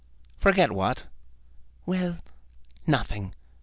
"Forget what?" "Well, nothing.